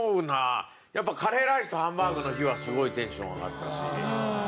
やっぱカレーライスとハンバーグの日はすごいテンション上がったし。